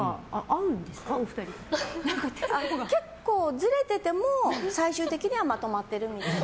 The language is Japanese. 結構ずれてても最終的にはまとまってるみたいな。